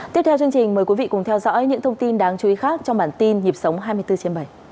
tiếp theo chương trình mời quý vị cùng theo dõi những thông tin đáng chú ý khác trong bản tin nhịp sống hai mươi bốn trên bảy